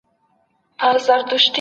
خپل ځان له غوړو خوړو وساتئ.